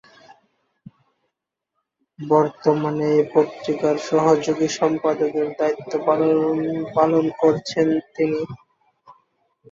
বর্তমানে এ পত্রিকার সহযোগী সম্পাদকের দায়িত্ব পালন করছেন তিনি।